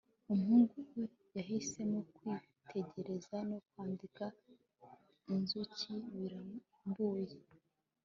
umuhungu yahisemo kwitegereza no kwandika inzuki birambuye